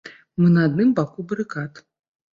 Мы на адным баку барыкад.